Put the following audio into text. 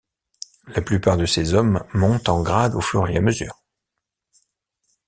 La plupart de ces hommes montent en grade au fur et à mesure.